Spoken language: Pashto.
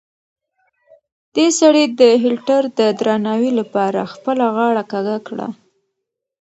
دې سړي د هېټلر د درناوي لپاره خپله غاړه کږه کړه.